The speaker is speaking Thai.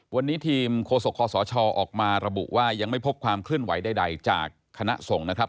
วันนี้ทีมโฆษกคศออกมาระบุว่ายังไม่พบความเคลื่อนไหวใดจากคณะส่งนะครับ